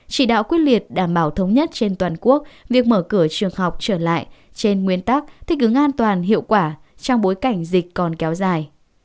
chỉ đạo quyết liệt đảm bảo thống nhất trên toàn quốc việc mở cửa trường học trở lại trên nguyên tắc thích ứng an toàn hiệu quả trong bối cảnh dịch còn kéo dài